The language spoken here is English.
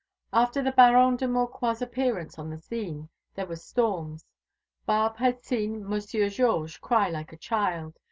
After the Baron de Maucroix's appearance on the scene there were storms. Barbe had seen Monsieur Georges cry like a child.